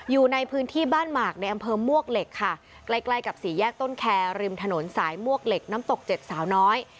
อยู่ในพื้นที่บ้านหมากในอำเภอมวกเหล็กค่ะใกล้ใกล้กับสี่แยกต้นแคร์ริมถนนสายมวกเหล็กน้ำตกเจ็ดสาวน้อย